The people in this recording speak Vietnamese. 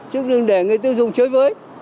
chứ đừng để người tiêu dùng chơi với